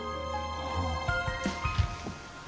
ああ。